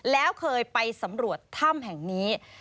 แล้วเคยไปสำรวจถ้ำแห่งนี้